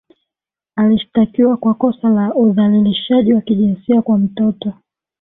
Alishtakiwa kwa kosa la udhalilishaji wa kijinsia kwa mtoto